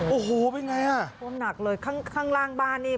โอ้โหเป็นไงอ่ะท่วมหนักเลยข้างข้างล่างบ้านนี่